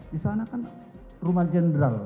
di sana kan rumah jenderal